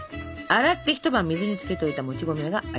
洗って一晩水につけておいたもち米があります。